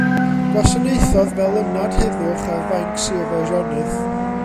Gwasanaethodd fel Ynad Heddwch ar fainc Sir Feirionnydd.